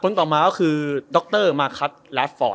ควรต่อมาก็คือดรมาร์คตซ์รัสฟอต